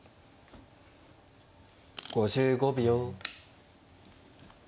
５５秒。